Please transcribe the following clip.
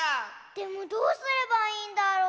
でもどうすればいいんだろう。